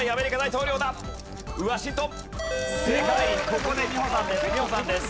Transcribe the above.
ここで美穂さんです。